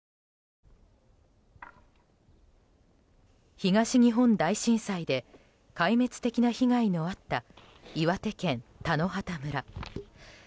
東日本大震災で壊滅的な被害のあった岩手県田野畑村。